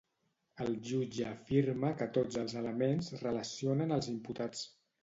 El jutge afirma que tots els elements relacionen els imputats.